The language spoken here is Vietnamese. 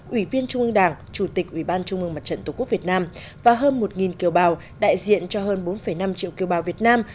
ủy viên trung ương đảng chủ tịch ủy ban trung ương mặt trận tổ quốc việt nam và hơn một kiều bào đại diện cho hơn bốn năm triệu kiều bào việt nam